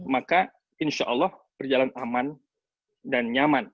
maka insya allah berjalan aman dan nyaman